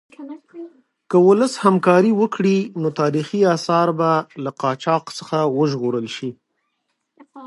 که ولس همکاري وکړي نو تاریخي اثار به له قاچاق څخه وژغورل شي.